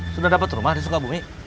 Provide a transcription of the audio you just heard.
sudah dapat rumah di sukabumi